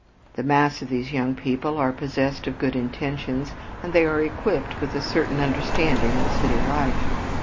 The mass of these young people are possessed of good intentions and they are equipped with a certain understanding of city life.